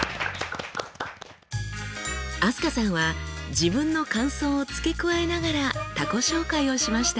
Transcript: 飛鳥さんは自分の感想を付け加えながら他己紹介をしました。